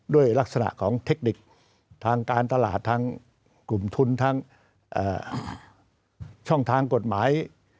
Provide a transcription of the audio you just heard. ด้วยลักษณะของเทคนิคทางการตลาดทั้งกลุ่มทุนทั้งช่องทางกฎหมาย